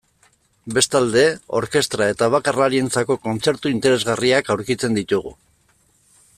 Bestalde, orkestra eta bakarlarientzako kontzertu interesgarriak aurkitzen ditugu.